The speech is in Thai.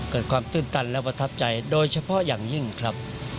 ความตื้นตันและประทับใจโดยเฉพาะอย่างยิ่งครับ